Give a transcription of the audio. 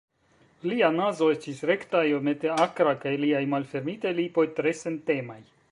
Lia nazo estis rekta, iomete akra kaj liaj malfermitaj lipoj tre sentemaj.